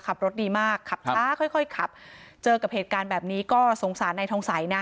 ขับรถดีมากขับช้าค่อยค่อยขับเจอกับเหตุการณ์แบบนี้ก็สงสารนายทองสัยนะ